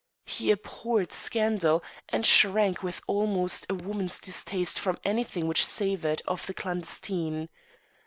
He abhorred scandal and shrank with almost a woman's distaste from anything which savoured of the clandestine.